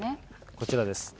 こちらです。